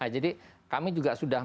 jadi kami juga sudah